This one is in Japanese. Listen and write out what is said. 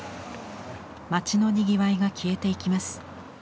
町のにぎわいが消えていきます。